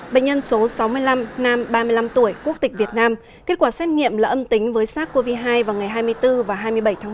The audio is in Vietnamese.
bệnh nhân số sáu mươi năm nam ba mươi năm tuổi quốc tịch việt nam kết quả xét nghiệm là âm tính với sars cov hai vào ngày hai mươi bốn và hai mươi bảy tháng ba